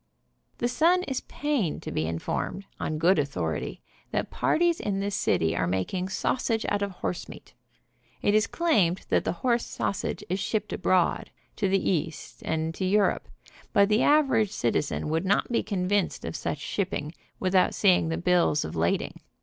The Sun is pained to be informed, on good author ity, that parties in this city are making sausage out of horsemeat. It is claimed that the horse sausage is shipped abroad, to the East, and to Europe, but the average citizen would not be convinced of such ship ment without seeing the bills of lading.